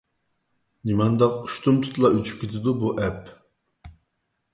نېمانداق ئۇشتۇمتۇتلا ئۆچۈپ كېتىدۇ بۇ ئەپ؟